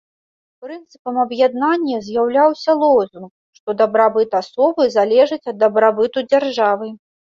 Прынцыпам аб'яднання з'яўляўся лозунг, што дабрабыт асобы залежыць ад дабрабыту дзяржавы.